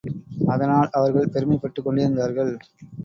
அதனால் அவர்கள் பெருமைப்பட்டுக் கொண்டிருந்தார்கள்.